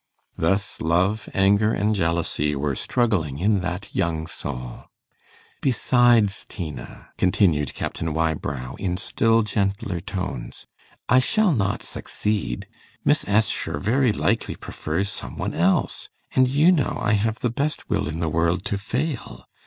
Thus love, anger, and jealousy were struggling in that young soul. 'Besides, Tina,' continued Captain Wybrow in still gentler tones, 'I shall not succeed. Miss Assher very likely prefers some one else; and you know I have the best will in the world to fail.